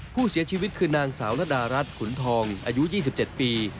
ผู้เสียชีวิตคือนางสาวระดารัฐขุนทองอายุ๒๗ปี